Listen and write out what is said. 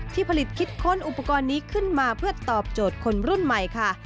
ผลิตคิดค้นอุปกรณ์นี้ขึ้นมาเพื่อตอบโจทย์คนรุ่นใหม่ค่ะ